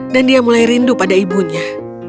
dan dia mulai rindu pada ibunya